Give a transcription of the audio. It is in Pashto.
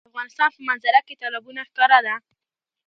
د افغانستان په منظره کې تالابونه ښکاره ده.